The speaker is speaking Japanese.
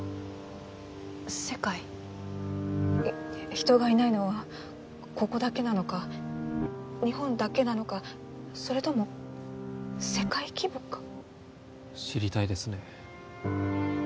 人がいないのはここだけなのか日本だけなのかそれとも世界規模か知りたいですね